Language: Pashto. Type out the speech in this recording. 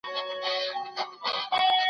څنګه هېوادونه د ترهګرۍ پر وړاندي مبارزه کوي؟